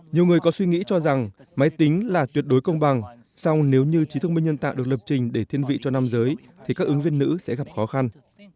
nhiều người có suy nghĩ cho rằng máy tính là tuyệt đối công bằng song nếu như trí thông minh nhân tạo được lập trình để thiên vị cho nam giới thì các ứng viên nữ sẽ gặp khó khăn